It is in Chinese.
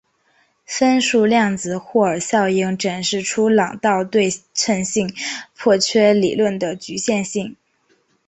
分数量子霍尔效应展示出朗道对称性破缺理论的局限性。